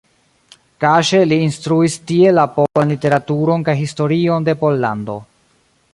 Kaŝe li instruis tie la polan literaturon kaj historion de Pollando.